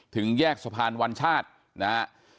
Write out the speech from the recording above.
ถึงแยกสะพานวัญชาตินะฮะ